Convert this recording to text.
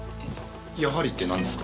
やはりってなんですか？